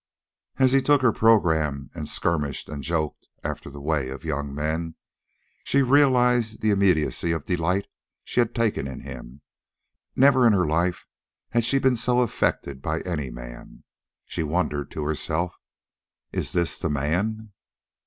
As he took her program and skirmished and joked after the way of young men, she realized the immediacy of delight she had taken in him. Never in her life had she been so affected by any man. She wondered to herself: IS THIS THE MAN?